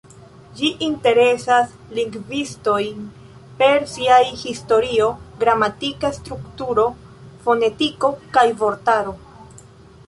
Ĝi interesas lingvistojn per siaj historio, gramatika strukturo, fonetiko kaj vortaro.